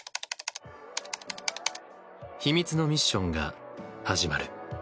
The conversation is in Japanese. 秘密のミッションが始まる。